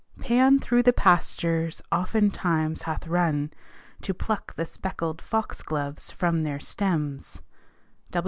Pan through the pastures often times hath runne To plucke the speckled fox gloves from their stems.